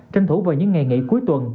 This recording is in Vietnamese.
tranh thủ vào những ngày nghỉ cuối tuần